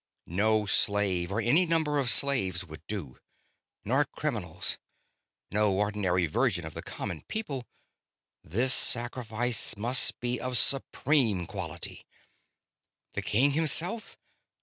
No slave, or any number of slaves, would do. Nor criminals. No ordinary virgin of the common people. This sacrifice must be of supreme quality. The king himself?